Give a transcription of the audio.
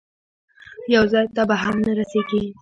یو ځای ته به هم نه رسېږي.